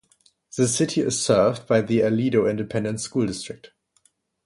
The city is served by the Aledo Independent School District.